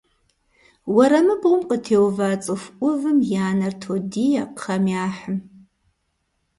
Уэрамыбгъум къытеува цӏыху ӏувым я нэр тодие кхъэм яхьым.